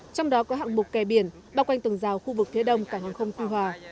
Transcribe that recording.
trong đó có hạng mục kè biển bao quanh tường rào khu vực phía đông cảng hàng không tuy hòa